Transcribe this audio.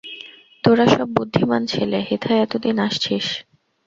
তোরা সব বুদ্ধিমান ছেলে, হেথায় এত দিন আসছিস।